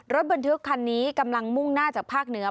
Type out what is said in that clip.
รถบรรทุกคันนี้กำลังมุ่งหน้าจากภาคเหนือ